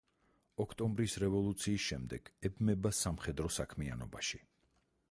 ოქტომბრის რევოლუციის შემდეგ ებმება სამხედრო საქმიანობაში.